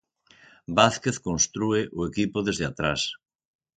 Vázquez constrúe o equipo desde atrás.